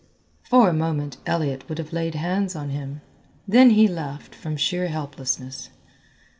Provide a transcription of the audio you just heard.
For a moment Elliott would have laid hands on him, then he laughed from sheer helplessness.